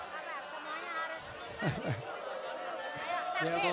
bapak anies rasid baswedan